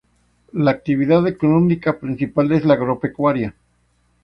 La actividad económica principal es la agropecuaria.